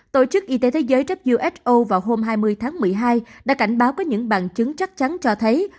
tổ chức y tế thế giới who vào hôm hai mươi tháng một mươi hai đã cảnh báo có những bằng chứng chắc chắn cho thấy